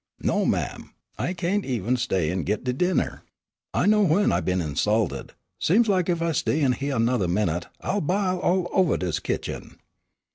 "No, ma'am, I cain't even stay an' git de dinner. I know w'en I been insulted. Seems lak ef I stay in hyeah another minute I'll bile all over dis kitchen.